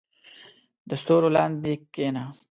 • د ستورو لاندې کښېنه.